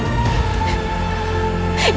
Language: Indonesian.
kita lupakan semua masalah ini